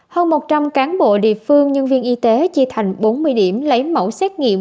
hơn một trăm linh cán bộ địa phương nhân viên y tế chia thành bốn mươi điểm lấy mẫu xét nghiệm